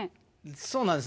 そうなんです。